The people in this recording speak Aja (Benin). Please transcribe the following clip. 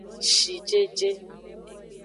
Shijeje.